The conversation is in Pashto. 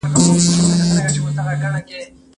فکر وکړئ، د نوښت سره څه کول ممکن دي؟